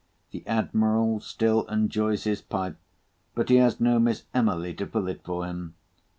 The Admiral still enjoys his pipe, but he has no Miss Emily to fill it for him.